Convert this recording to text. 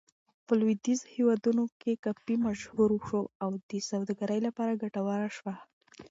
په لویدیځو هېوادونو کې کافي مشهور شو او د سوداګرۍ لپاره ګټوره شوه.